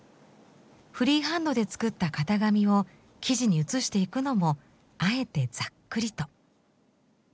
フリーハンドで作った型紙を生地に写していくのもあえてざっくりと。